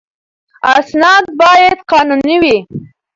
اسناد باید قانوني وي.